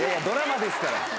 ドラマですから。